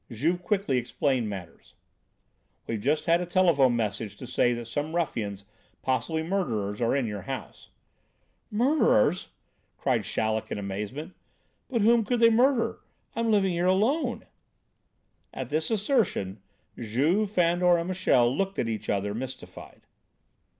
Juve quickly explained matters. "We've just had a telephone message to say that some ruffians, possibly murderers, are in your house." "Murderers!" cried Chaleck in amazement. "But whom could they murder? I'm living here alone." At this assertion, Juve, Fandor and Michel looked at each other, mystified.